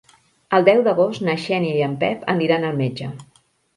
El deu d'agost na Xènia i en Pep aniran al metge.